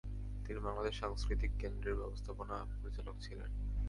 তিনি বাংলাদেশ সাংস্কৃতিক কেন্দ্রের ব্যবস্থাপনা পরিচালক ছিলেন।